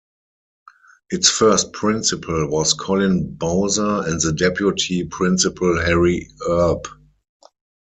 Its first Principal was Colin Bowser and the Deputy Principal Harry Earp.